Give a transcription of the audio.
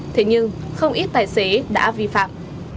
thế nhưng không ít tài xế đã vi phạm